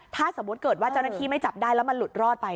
ถ้าสมมุติเกิดว่าเจ้าหน้าที่ไม่จับได้แล้วมันหลุดรอดไป